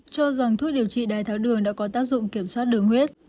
cho rằng thuốc điều trị đai tháo đường đã có tác dụng kiểm soát đường huyết